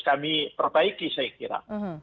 kami perbaiki saya kira